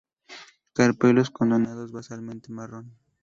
Carpelos connados basalmente, marrón.